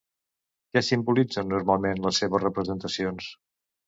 Què simbolitzen normalment les seves representacions?